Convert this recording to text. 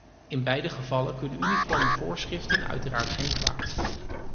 In beide gevallen kunnen uniforme voorschriften uiteraard geen kwaad.